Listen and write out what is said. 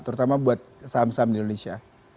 terutama buat saham saham di indonesia